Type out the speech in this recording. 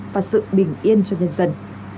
và sự bình yên cho nhân dân